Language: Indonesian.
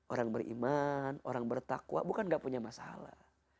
orang beriman orang bertakwa bukan gak punya masalah